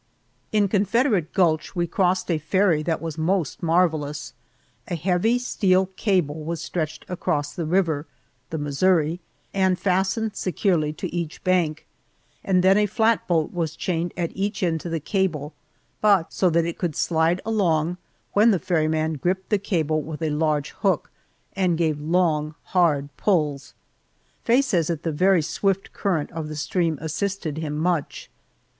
In Confederate Gulch we crossed a ferry that was most marvelous. A heavy steel cable was stretched across the river the Missouri and fastened securely to each bank, and then a flat boat was chained at each end to the cable, but so it could slide along when the ferryman gripped the cable with a large hook, and gave long, hard pulls. Faye says that the very swift current of the stream assisted him much.